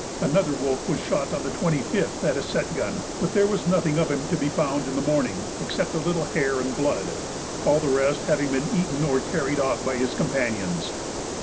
Another wolf was shot on the 25th at a set gun, but there was nothing of him to be found in the morning except a little hair and blood, all the rest having been eaten or carried off by his companions.